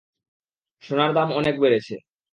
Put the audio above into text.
সোনার দাম অনেক বেড়েছে।